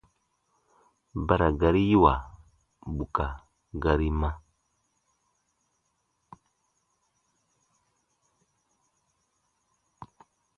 Ba ra gari yiiwa bù ka gari ma.